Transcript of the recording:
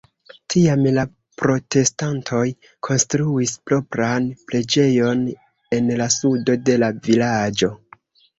Tiam la protestantoj konstruis propran preĝejon en la sudo de la vilaĝo.